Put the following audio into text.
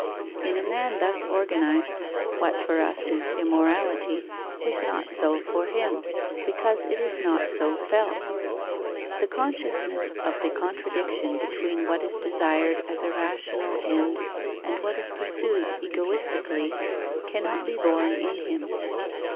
In a man thus organized, what for us is immorality is not so for him, because it is not so felt. The consciousness of the contradiction between what is desired as a rational end and what is pursued egoistically cannot be born in him.